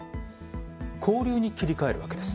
交流に切り替えるわけです。